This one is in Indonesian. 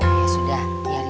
oh ya sudah